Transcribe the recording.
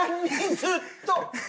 ずっと。